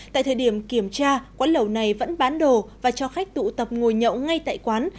tại thời điểm kiểm tra quán lẩu này vẫn bán đồ và cho khách tụ tập ngồi nhậu ngay tại quán